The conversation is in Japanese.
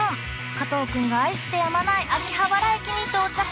加藤くんが愛してやまない秋葉原駅に到着！